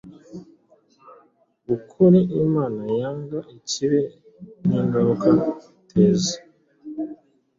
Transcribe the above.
Ukuri Imana yanga ibibi n’ingaruka biteza .